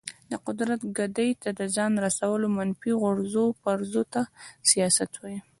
د قدرت ګدۍ ته د ځان رسولو منفي غورځو پرځو ته سیاست وایي.